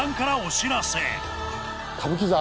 歌舞伎座